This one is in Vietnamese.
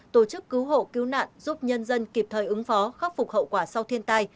tổ chức cứu hộ cứu nạn giúp nhân dân kịp thời ứng phó khắc phục hậu quả sau thiên tai